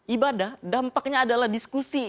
ibadah dampaknya adalah diskusi